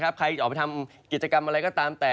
ใครจะออกไปทำกิจกรรมอะไรก็ตามแต่